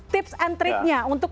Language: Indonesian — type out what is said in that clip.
tips and trick nya untuk